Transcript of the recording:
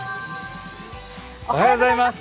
おはようございます。